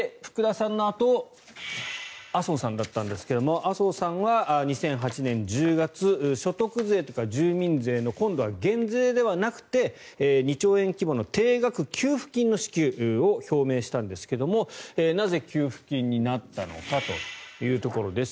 さんのあと麻生さんだったんですが麻生さんは２００８年１０月所得税とか住民税の今度は減税ではなくて２兆円規模の定額給付金の支給を表明したんですがなぜ給付金になったのかというところです。